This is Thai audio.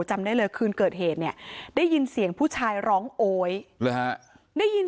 จำได้เลยคืนเกิดเหตุเนี่ยได้ยินเสียงผู้ชายร้องโอ๊ยได้ยิน